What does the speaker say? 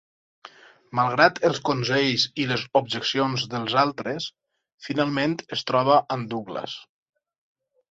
Malgrat els consells i les objeccions dels altres, finalment es troba amb Douglas.